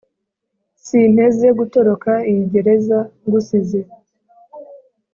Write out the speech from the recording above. sinteze gutoroka iyi gereza ngusize